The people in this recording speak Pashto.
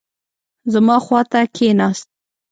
زما خوا ته کښېناست.